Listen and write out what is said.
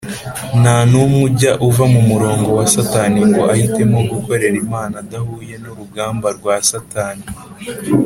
. Nta numwe ujya uva mu murongo wa Satani ngo ahitemo gukorera Imana adahuye n’urugamba rwa Satani